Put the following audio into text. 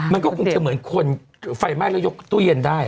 มันก็คงจะเหมือนคนไฟไหม้แล้วยกตู้เย็นได้